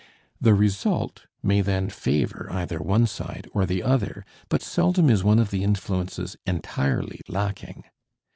The result may then favor either one side or the other, but seldom is one of the influences entirely lacking.